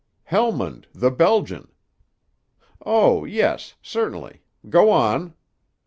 "Helmund, the Belgian." "Oh, yes, certainly. Go on!"